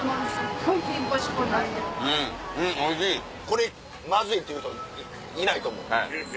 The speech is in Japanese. これまずいっていう人いないと思う。